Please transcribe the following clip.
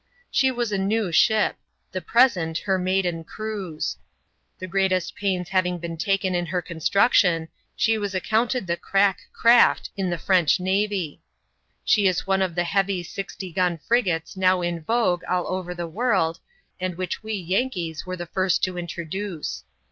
She was a new ship : the present her maiden cruise. The great est pains having been taken in her construction, she was ac counted the " crack " craft in the French navy. She is one of the heavy sixty gun frigates now in vogue all over the world, and which we Yankees were the first to introduce.